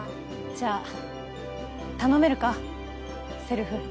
じゃあ頼めるかせるふ。